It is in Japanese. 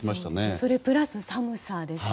それプラス寒さですよね。